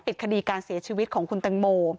ปิดคดีการเสียชีวิตของคุณตังโม